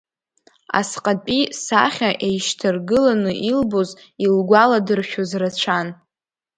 Асҟатәи сахьа еишьҭаргыланы илбоз илгәаладыршәоз рацәан.